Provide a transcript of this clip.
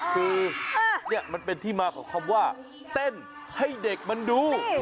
คือนี่มันเป็นที่มาของคำว่าเต้นให้เด็กมันดู